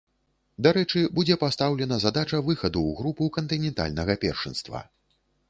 Дарэчы, будзе пастаўлена задача выхаду ў групу кантынентальнага першынства.